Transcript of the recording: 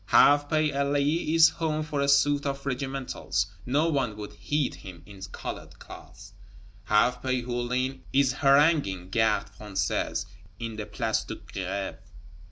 Half pay Elie is home for a suit of regimentals; no one would heed him in colored clothes; half pay Hulin is haranguing Gardes Françaises in the Place de Grève.